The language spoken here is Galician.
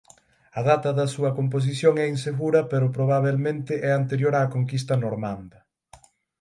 A data da súa composición é insegura pero probabelmente é anterior á conquista normanda.